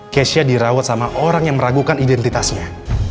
kesha dirawat sama orang yang meragukan identitasnya